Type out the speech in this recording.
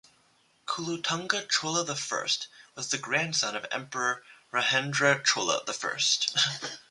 Kulottunga Chola the First was the grandson of Emperor Rajendra Chola the First.